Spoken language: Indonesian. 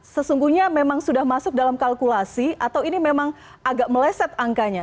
sesungguhnya memang sudah masuk dalam kalkulasi atau ini memang agak meleset angkanya